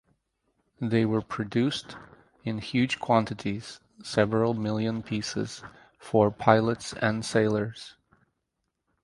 They were produced in huge quantities (several million pieces) for pilots and sailors.